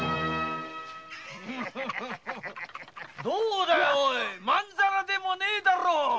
どうだいまんざらでもねえだろう。